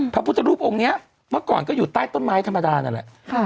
พระพุทธรูปองค์นี้เมื่อก่อนก็อยู่ใต้ต้นไม้ธรรมดานั่นแหละ